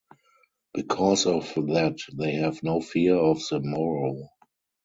Because of that they have no fear of the morrow.